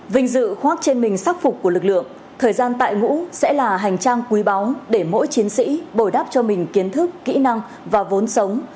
vinh dự khoác trên mình sắc phục của lực lượng thời gian tại ngũ sẽ là hành trang quý báu để mỗi chiến sĩ bồi đắp cho mình kiến thức kỹ năng và vốn sống